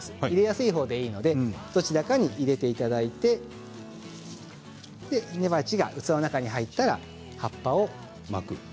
入れやすいほうでいいのでどちらかに入れていただいて根鉢が器の中に入ったら葉っぱを巻く。